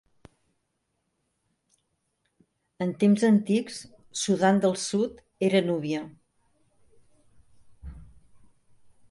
En temps antics, Sudan del Sud era Núbia.